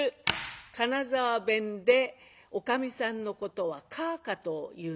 金沢弁でおかみさんのことは「かあか」と言うんだそうです。